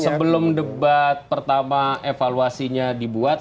sebelum debat pertama evaluasinya dibuat